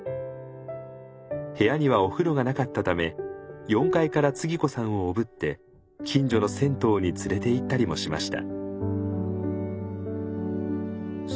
部屋にはお風呂がなかったため４階からつぎ子さんをおぶって近所の銭湯に連れていったりもしました。